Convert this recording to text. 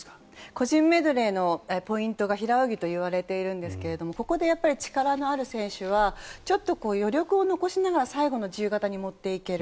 個人メドレーのポイントが平泳ぎといわれているんですがここで力のある選手はちょっと余力を残しながら最後の自由形に持っていける。